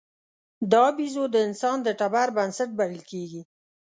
دا بیزو د انسان د ټبر بنسټ بلل کېږي.